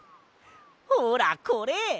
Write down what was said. ほらこれ！